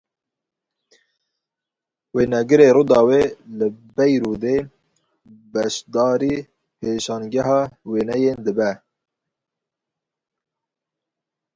Wênegirê Rûdawê li Beyrûdê beşdarî pêşangeha wêneyan dibe.